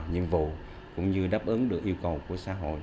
nhiệm vụ cũng như đáp ứng được yêu cầu của xã hội